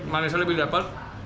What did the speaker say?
manisnya lebih dapat